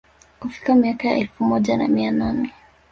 Kufikia miaka ya elfu moja na mia nane